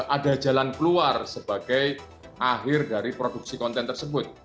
ada jalan keluar sebagai akhir dari produksi konten tersebut